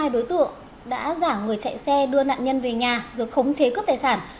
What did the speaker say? hai đối tượng đã giả người chạy xe đưa nạn nhân về nhà rồi khống chế cướp tài sản